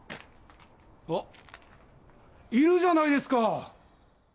あっ、いるじゃないですか。